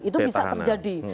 itu bisa terjadi